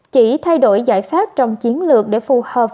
chỉ thay đổi giải pháp trong chiến lược để phù hợp